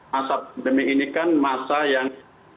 masa pandemi ini kan masa yang